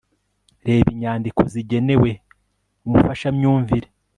Reba inyandiko zigenewe umufashamyumvire